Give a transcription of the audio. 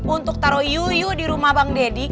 untuk taro yuyuh di rumah bang deddy